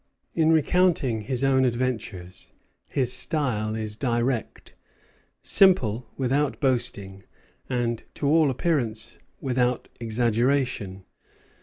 In recounting his own adventures, his style is direct, simple, without boasting, and to all appearance without exaggeration.